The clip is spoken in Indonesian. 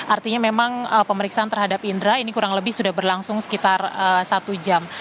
artinya memang pemeriksaan terhadap indra ini kurang lebih sudah berlangsung sekitar satu jam